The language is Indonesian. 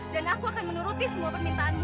dan aku akan menuruti semua permintaanmu